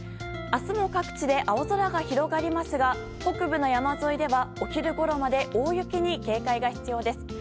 明日も各地で青空が広がりますが北部の山沿いではお昼ごろまで大雪に警戒が必要です。